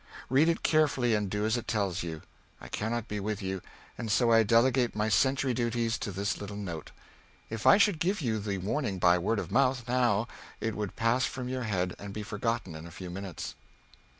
Read it carefully, and do as it tells you. I cannot be with you, and so I delegate my sentry duties to this little note. If I should give you the warning by word of mouth, now, it would pass from your head and be forgotten in a few minutes."